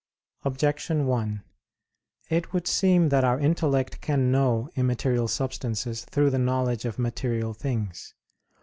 Objection 1: It would seem that our intellect can know immaterial substances through the knowledge of material things.